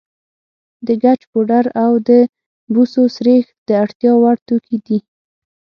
د ګچ پوډر او د بوسو سريښ د اړتیا وړ توکي دي.